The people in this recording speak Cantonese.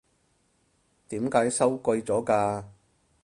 點解收貴咗㗎？